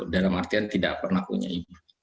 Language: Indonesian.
dalam artian tidak pernah punya ibu